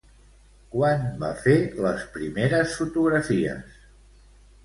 Quan va fer les primeres fotografies?